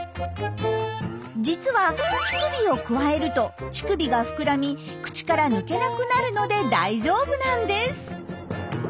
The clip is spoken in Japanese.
実は乳首をくわえると乳首がふくらみ口から抜けなくなるので大丈夫なんです。